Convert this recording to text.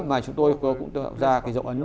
mà chúng tôi cũng tạo ra cái dấu ấn